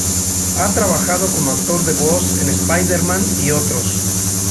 Ha trabajado como actor de voz en "Spider-Man" y otros.